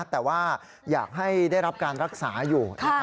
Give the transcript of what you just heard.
แต่ว่าอยากให้ได้รับการรักษาอยู่